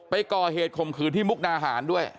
ไปก่อเหตุข่มขืนที่มุกนาหารด้วย